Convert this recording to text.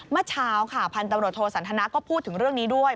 เมื่อเช้าค่ะพันธุ์ตำรวจโทสันทนาก็พูดถึงเรื่องนี้ด้วย